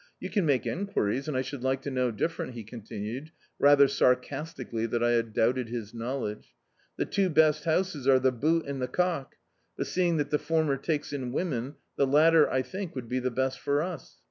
You can make en quiries, and I should like to know different," he continued, rather sarcastically that I had doubted his knowledge. "The two best houses arc the 'Boot* and the 'Cock,' but seeing that the former takes in women, the latter I think would be the best for MS.